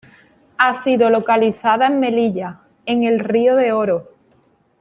Ha sido localizada en Melilla, en el río de Oro.